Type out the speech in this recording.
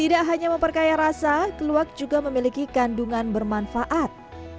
tidak hanya memperkaya rasa keluak juga memiliki kandungan bermanfaat